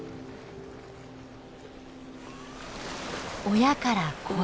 親から子へ。